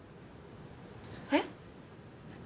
えっ？